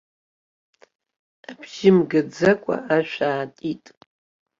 Абжьы мгаӡакәа ашә аатит.